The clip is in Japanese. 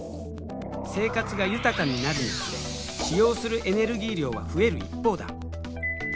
生活が豊かになるにつれ使用するエネルギー量は増える一方だ。